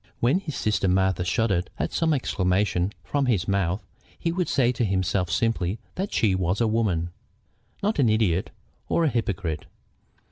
When his sister Martha shuddered at some exclamation from his mouth, he would say to himself simply that she was a woman, not an idiot or a hypocrite.